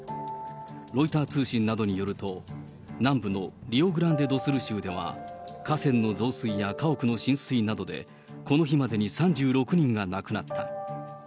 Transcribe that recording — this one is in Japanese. ロイター通信などによると、南部のリオグランデドスル州では、河川の増水や家屋の浸水などでこの日までに３６人が亡くなった。